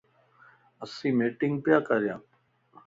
اسين مٽينگ پيا ڪريان